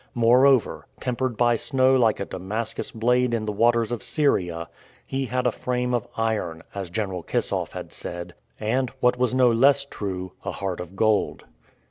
Moreover, tempered by snow like a Damascus blade in the waters of Syria, he had a frame of iron, as General Kissoff had said, and, what was no less true, a heart of gold.